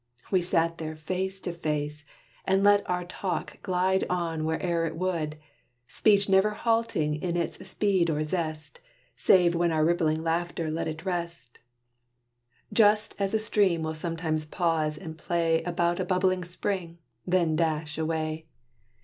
We sat there, face to face, And let our talk glide on where'er it would, Speech never halting in its speed or zest, Save when our rippling laughter let it rest; Just as a stream will sometimes pause and play About a bubbling spring, then dash away.